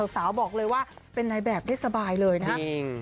สาวบอกเลยว่าเป็นนายแบบได้สบายเลยนะครับ